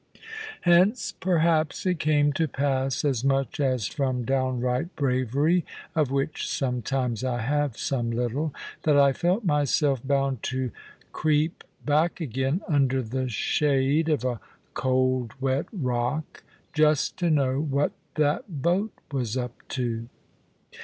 Hence, perhaps, it came to pass (as much as from downright bravery, of which sometimes I have some little) that I felt myself bound to creep back again, under the shade of a cold wet rock, just to know what that boat was up to.